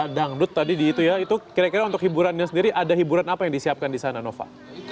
dangdut tadi di itu ya itu kira kira untuk hiburannya sendiri ada hiburan apa yang disiapkan di sana nova